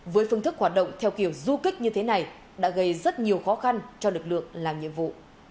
với phương thức hoạt động theo kiểu du kích như thế này đã gây rất nhiều khó khăn cho lực lượng làm nhiệm vụ